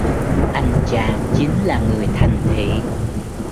Anh chàng chính là người thành thị